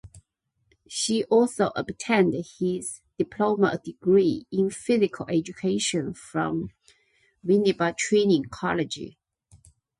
She also obtained his Diploma degree in Physical Education from Winneba Training College.